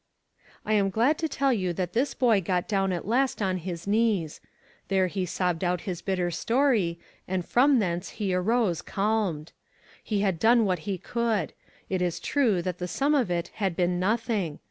I am glad to tell you that this boy got down at Inst on his 'knees. There he sobbed out his bitter story, and from thence he arose calmed. He had done what he could ; it is true that the sum of it had been nothing.